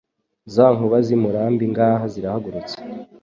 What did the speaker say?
Za nkuba z' i Murambi, Ngaha zirahagurutse,